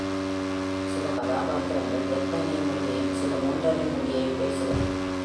சில கதாபாத்திரங்கள் ஜப்பானிய மொழியையும், சில மாண்டரின் மொழியையும் பேசலாம்.